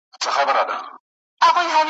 بوډۍ شېبې درته دروړم جانانه هېر مي نه کې `